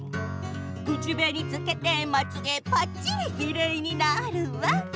「口紅つけてまつげぱっちりきれいになるわ！」